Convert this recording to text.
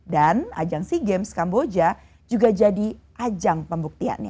dan ajang sea games kamboja juga jadi ajang pembuktiannya